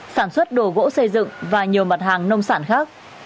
sản xuất đồ gỗ xây dựng và nhiều mặt hàng nông sản khác